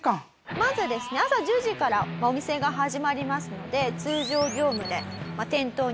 まずですね朝１０時からお店が始まりますので通常業務で店頭に立ちます。